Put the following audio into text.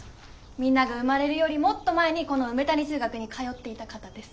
みんなが生まれるよりもっと前にこの梅谷中学に通っていた方です。